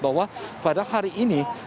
bahwa pada hari ini